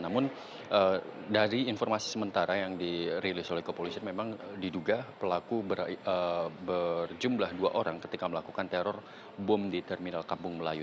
namun dari informasi sementara yang dirilis oleh kepolisian memang diduga pelaku berjumlah dua orang ketika melakukan teror bom di terminal kampung melayu